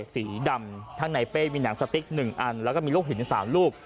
สีดำทั้งในเป้มีหนังสติ๊ก๑อันแล้วก็มีลูกหิน๓ลูก